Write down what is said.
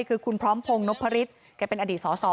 คือคุณพร้อมพงศ์นพฤษแกเป็นอดีตสส